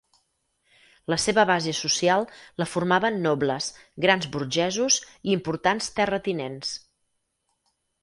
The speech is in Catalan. La seva base social la formaven nobles, grans burgesos i importants terratinents.